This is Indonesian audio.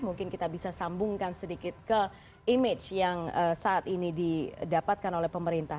mungkin kita bisa sambungkan sedikit ke image yang saat ini didapatkan oleh pemerintah